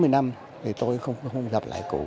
bốn mươi năm tôi không gặp lại cử